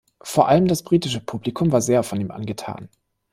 Vor allem das britische Publikum war sehr von ihm angetan.